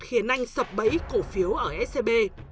khiến anh sập bẫy cổ phiếu ở scb